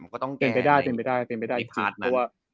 มันก็ต้องแกงไหนคือปลอดภัณฑ์มัน